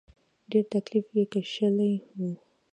ډېر تکليف یې کشلی و.